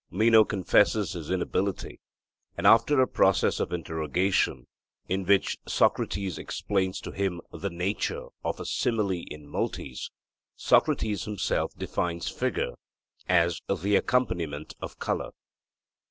Meno confesses his inability, and after a process of interrogation, in which Socrates explains to him the nature of a 'simile in multis,' Socrates himself defines figure as 'the accompaniment of colour.'